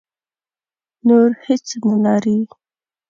نور هېڅ نه لري.